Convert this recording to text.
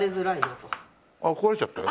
あっ壊れちゃったよ。